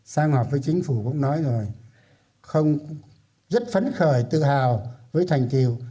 sang họp với chính phủ cũng nói rồi rất phấn khởi tự hào với thành tiêu